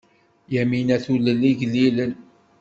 Yamina tulel igellilen.